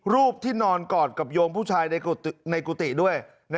รูปที่นอนกอดกับโยมผู้ชายในกุฏิด้วย